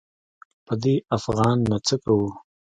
په دې افغان نو څه کوو.